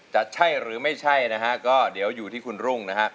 จะใช่หรือไม่ใช่นะฮะก็เดี๋ยวอยู่ที่คุณรุ่งนะฮะ